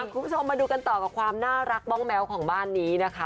คุณผู้ชมมาดูกันต่อกับความน่ารักบ้องแม้วของบ้านนี้นะคะ